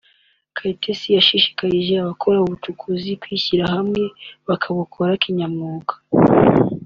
Kayitesi yashishikarije abakora ubucukuzi kwishyira hamwe bakabukora kinyamwuga